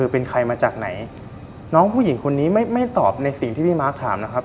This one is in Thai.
เป็นใครมาจากไหนน้องผู้หญิงคนนี้ไม่ตอบในสิ่งที่พี่มาร์คถามนะครับ